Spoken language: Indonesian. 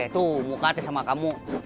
tuh muka tuh sama kamu